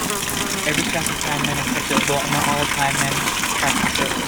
Every class of Thai men accept it, although not all Thai men practise it.